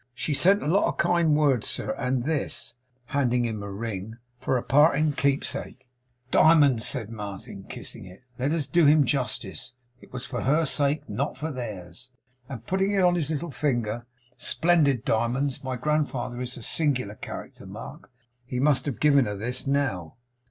She sent a lot of kind words, sir, and this,' handing him a ring, 'for a parting keepsake.' 'Diamonds!' said Martin, kissing it let us do him justice, it was for her sake; not for theirs and putting it on his little finger. 'Splendid diamonds! My grandfather is a singular character, Mark. He must have given her this now.